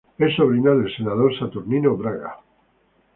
Es sobrina del senador Saturnino Braga.